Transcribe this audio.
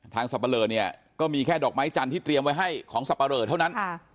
สับปะเลอเนี่ยก็มีแค่ดอกไม้จันทร์ที่เตรียมไว้ให้ของสับปะเหลอเท่านั้น